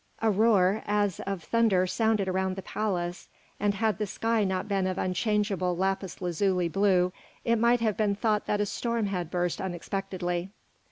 A roar as of thunder sounded around the palace, and had the sky not been of unchangeable, lapis lazuli blue it might have been thought that a storm had burst unexpectedly.